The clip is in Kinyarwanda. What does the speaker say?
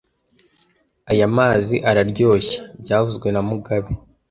Aya mazi araryoshye byavuzwe na mugabe